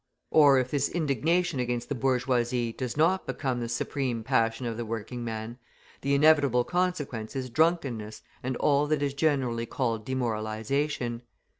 Or, if this indignation against the bourgeoisie does not become the supreme passion of the working man, the inevitable consequence is drunkenness and all that is generally called demoralisation.